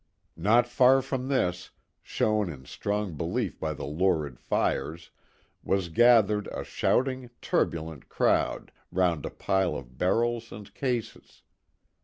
Not far from this, shown in strong relief by the lurid fires, was gathered a shouting, turbulent crowd round a pile of barrels and cases.